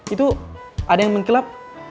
itu ada yang mengkilap